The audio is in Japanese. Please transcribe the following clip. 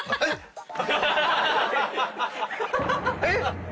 えっ⁉